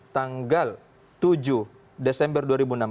tanggal tujuh desember dua ribu enam belas